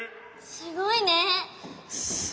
すごいね。